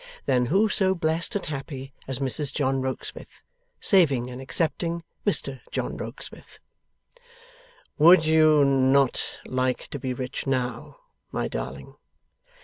Then who so blest and happy as Mrs John Rokesmith, saving and excepting Mr John Rokesmith! 'Would you not like to be rich NOW, my darling?